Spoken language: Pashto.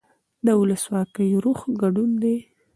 د ولسواکۍ روح ګډون دی